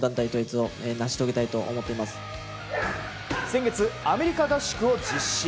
先月、アメリカ合宿を実施。